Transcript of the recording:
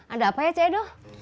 ada apa ya cik edo